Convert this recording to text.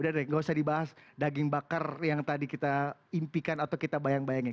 udah deh nggak usah dibahas daging bakar yang tadi kita impikan atau kita bayang bayangin